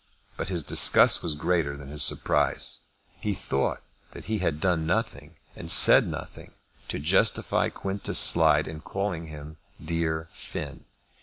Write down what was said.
But his disgust was greater than his surprise. He thought that he had done nothing and said nothing to justify Quintus Slide in calling him "dear Finn."